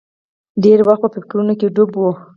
ډېر وخت به په فکرونو کې ډوب و.